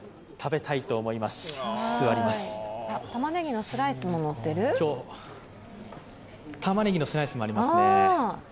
たまねぎのスライスもありますね。